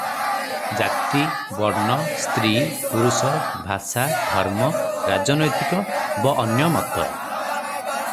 ଜାତି, ବର୍ଣ୍ଣ, ସ୍ତ୍ରୀ, ପୁରୁଷ, ଭାଷା, ଧର୍ମ, ରାଜନୈତିକ ବ ଅନ୍ୟ ମତ ।